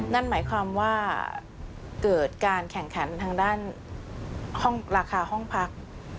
นั่นหมายความว่าเกิดการแข่งขันทางด้านห้องราคาห้องพัก